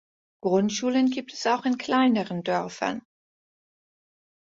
Grundschulen gibt es auch in kleineren Dörfern.